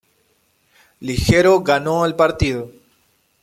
Ligero ganó el partido.